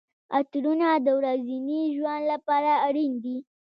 عطرونه د ورځني ژوند لپاره اړین دي.